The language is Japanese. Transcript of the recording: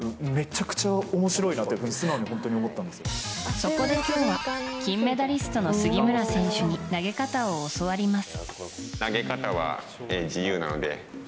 そこで今日は金メダリストの杉村選手に投げ方を教わります。